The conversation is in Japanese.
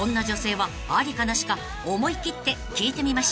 ［思い切って聞いてみましょう］